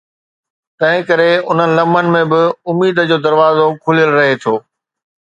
تنهن ڪري انهن لمحن ۾ به، اميد جو دروازو کليل رهي ٿو.